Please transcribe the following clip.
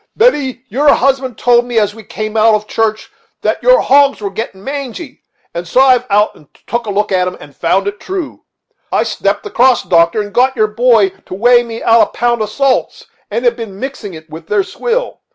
Betty, your husband told me, as we came out of church, that your hogs were getting mangy, and so I have been out to take a look at them, and found it true. I stepped across, doctor, and got your boy to weigh me out a pound of salts, and have been mixing it with their swill.